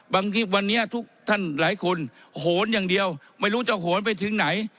วันนี้ทุกท่านหลายคนโหนอย่างเดียวไม่รู้จะโหนไปถึงไหน